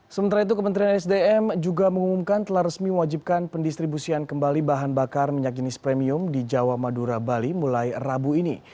sementara itu kementerian sdm juga mengumumkan telah resmi wajibkan pendistribusian kembali bahan bakar minyak jenis premium di jawa madura bali mulai rabu ini